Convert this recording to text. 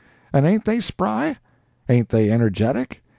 And ain't they spry?—ain't they energetic?